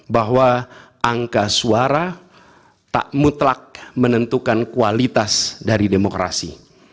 bahwa angka suara tak mutlak menentukan kualitas dari demokrasi